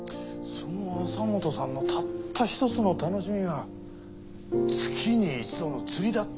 その朝本さんのたったひとつの楽しみが月に一度の釣りだった。